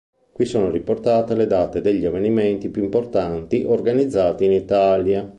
Sono qui riportate le date degli avvenimenti più importanti organizzati in Italia.